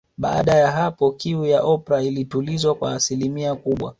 Baada ya hapo kiu ya Oprah ilitulizwa kwa asilimia kubwa